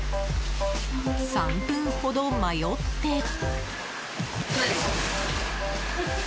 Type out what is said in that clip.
３分ほど迷って。